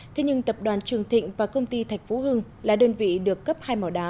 thế nhưng tập đoàn trường thịnh và công ty thạch phú hưng là đơn vị được cấp hai mỏ đá